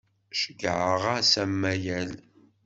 Ceyyɛeɣ-as amayel.